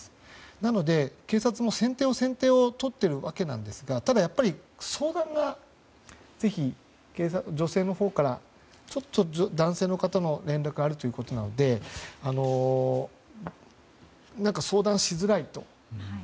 なので警察も先手先手をとっているわけなんですが相談が女性のほうから男性の方の連絡があるということなので相談しづらいと。